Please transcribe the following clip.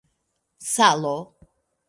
salo